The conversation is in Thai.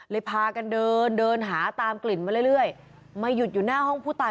พากันเดินเดินหาตามกลิ่นมาเรื่อยมาหยุดอยู่หน้าห้องผู้ตาย